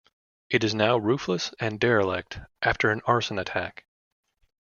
It is now roofless and derelict after an arson attack.